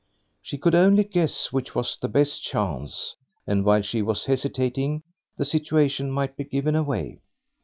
She could only guess which was the best chance, and while she was hesitating the situation might be given away.